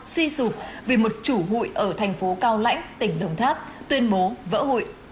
suy sụp vì một chủ hụi ở thành phố cao lãnh tỉnh đồng tháp tuyên bố vỡ hụi